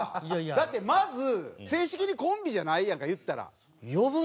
だってまず正式にコンビじゃないやんか言ったら。